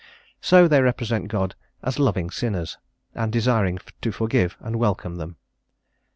So they represent God as loving sinners, and desiring to forgive and welcome them.